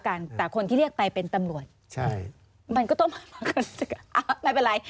บ้านพักก็แล้วกัน